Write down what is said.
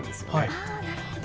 あなるほど。